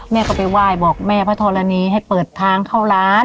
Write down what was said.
แม่ก็ไปไหว้บอกแม่พระธรณีให้เปิดทางเข้าร้าน